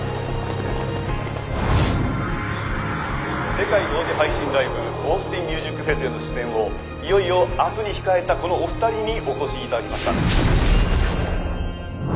世界同時配信ライブオースティンミュージックフェスへの出演をいよいよ明日に控えたこのお二人にお越し頂きました。